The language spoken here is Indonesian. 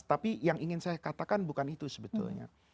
tapi yang ingin saya katakan bukan itu sebetulnya